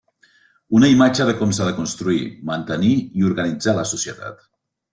Una imatge de com s'ha de construir, mantenir i organitzar la societat.